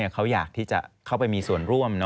เขาอยากที่จะเข้าไปมีส่วนร่วม